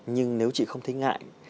nhưng nếu chị không thấy ngại